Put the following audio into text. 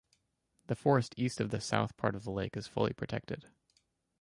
The forest east of the south part of the lake is fully protected.